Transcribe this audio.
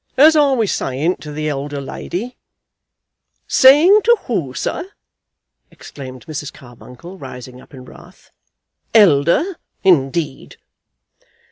"As I was a saying to the elder lady " "Saying to who, sir?" exclaimed Mrs. Carbuncle, rising up in wrath. "Elder, indeed!"